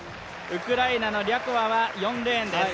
ウクライナのリャコワは４レーンです。